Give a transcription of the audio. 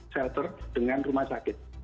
shelter dengan rumah sakit